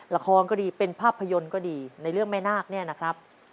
ละครก็ดีเป็นภาพยนตร์ก็ดีในเรื่องแม่นาคเนี่ยนะครับ